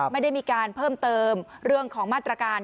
ไม่ได้มีการเพิ่มเติมเรื่องของมาตรการ